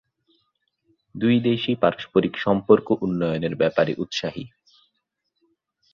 দুই দেশই পারস্পরিক সম্পর্ক উন্নয়নের ব্যাপারে উৎসাহী।